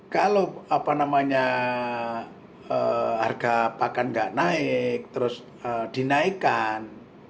kalau apa namanya harga pakan nggak naik terus dinaikkan